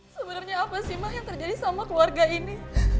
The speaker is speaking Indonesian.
sebenernya apa sih mah yang terjadi sama keluarga ini